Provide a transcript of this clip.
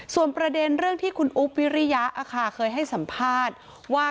ส่วนประเด็นเรื่องที่คุณอุ๊บวิริยะเคยให้สัมภาษณ์ว่า